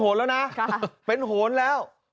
ตรงนี้เป็นโหนแล้วนะ